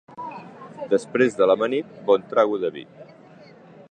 Després de l'amanit, bon trago de vi.